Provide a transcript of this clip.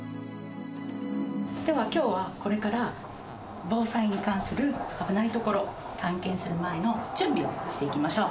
では今日はこれから防災に関する危ないところ探検する前の準備をしていきましょう。